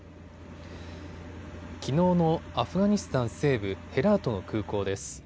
きのうのアフガニスタン西部ヘラートの空港です。